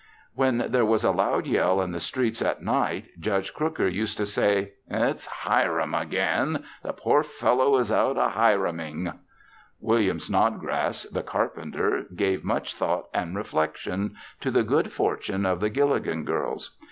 When there was a loud yell in the streets at night Judge Crooker used to say, "It's Hiram again! The poor fellow is out a Hiraming." William Snodgrass, the carpenter, gave much thought and reflection to the good fortune of the Gilligan girls.